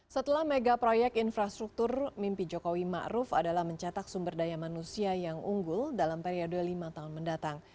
setelah mega proyek infrastruktur mimpi jokowi ⁇ maruf ⁇ adalah mencetak sumber daya manusia yang unggul dalam periode lima tahun mendatang